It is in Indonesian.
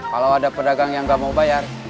kalau ada pedagang yang nggak mau bayar